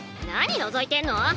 何のぞいてんの？